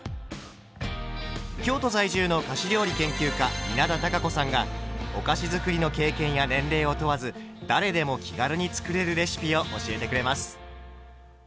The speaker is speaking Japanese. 京都在住の菓子料理研究家稲田多佳子さんがお菓子づくりの経験や年齢を問わず誰でも気軽に作れるレシピを教えてくれます。